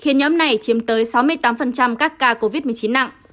khiến nhóm này chiếm tới sáu mươi tám các ca covid một mươi chín nặng